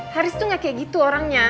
haris tuh gak kayak gitu orangnya